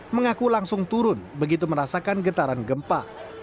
mengaku langsung turun begitu merasakan getaran gempa